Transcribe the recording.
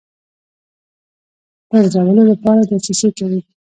پرزولو لپاره دسیسې کوي.